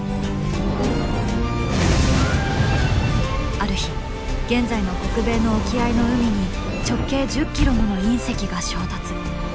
ある日現在の北米の沖合の海に直径１０ｋｍもの隕石が衝突。